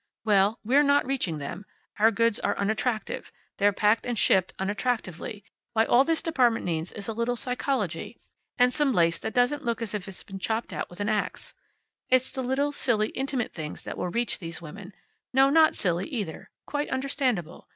Well, we're not reaching them. Our goods are unattractive. They're packed and shipped unattractively. Why, all this department needs is a little psychology and some lace that doesn't look as if it had been chopped out with an ax. It's the little, silly, intimate things that will reach these women. No, not silly, either. Quite understandable.